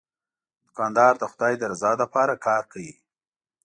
دوکاندار د خدای د رضا لپاره کار کوي.